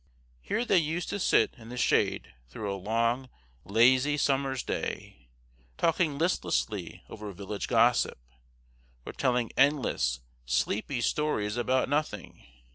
Here they used to sit in the shade through a long, lazy summer's day, talking listlessly over village gossip, or telling endless, sleepy stories about nothing.